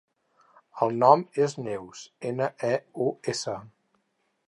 El nom és Neus: ena, e, u, essa.